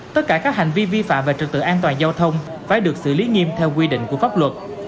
tất cả các hành vi vi phạm về trực tự an toàn giao thông phải được xử lý nghiêm theo quy định của pháp luật